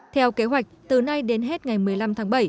theo kế hoạch từ nay đến hết ngày một mươi năm tháng bảy